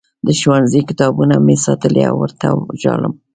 د ښوونځي کتابونه مې ساتلي او ورته ژاړم